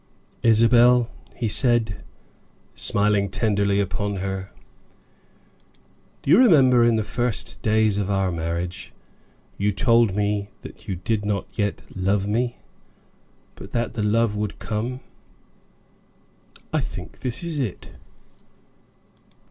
"Isabel," he said, smiling tenderly upon her, "do you remember, in the first days of our marriage, you told me you did not yet love me, but that the love would come. I think this is it."